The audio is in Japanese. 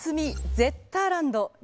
ゼッターランド。